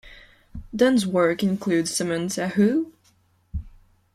Dunn's work includes Samantha Who?